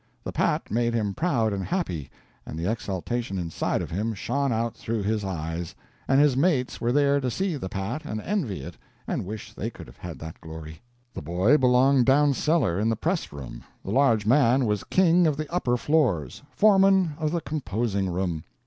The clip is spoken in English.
The pat made him proud and happy, and the exultation inside of him shone out through his eyes; and his mates were there to see the pat and envy it and wish they could have that glory. The boy belonged down cellar in the press room, the large man was king of the upper floors, foreman of the composing room.